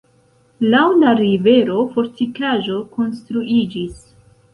Laŭ la rivero fortikaĵo konstruiĝis.